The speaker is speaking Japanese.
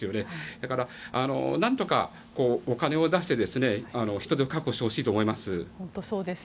だから、なんとかお金を出して人手を確保してほしいと思います。